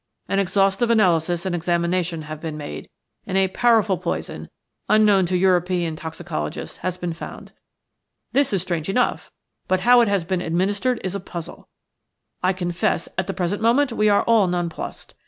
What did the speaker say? An exhaustive analysis and examination have been made, and a powerful poison, unknown to European toxicologists, has been found. This is strange enough, but how it has been administered is a puzzle. I confess, at the present moment, we are all nonplussed.